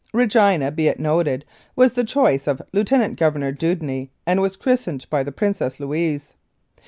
Regina, be it noted, was the choice of Lieutenant Governor Dewdney, and was christened by the Princess Louise.